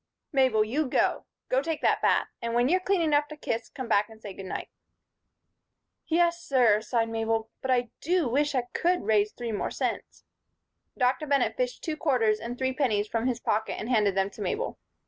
"Mabel, you go go take that bath. And when you're clean enough to kiss, come back and say good night." "Yes, sir," sighed Mabel, "but I do wish I could raise three more cents." Mr. Bennett fished two quarters and three pennies from his pocket and handed them to Mabel.